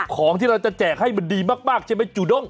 ของที่เราจะแจกให้มันดีมากใช่ไหมจูด้ง